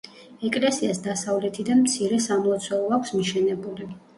ეკლესიას დასავლეთიდან მცირე სამლოცველო აქვს მიშენებული.